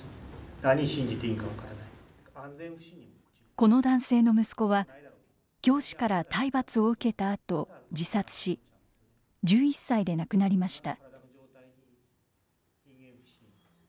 この男性の息子は教師から体罰を受けたあと自殺し１１歳で亡くなりました。